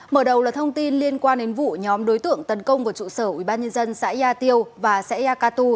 mở đầu là thông tin liên quan đến vụ nhóm đối tượng tấn công vào trụ sở ubnd xã yà tiêu và xã yà cà tu